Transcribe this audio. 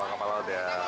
oh kapal laut ya